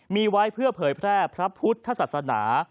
มีไว้เพื่อเผยแพร่พระพุทธศาสนา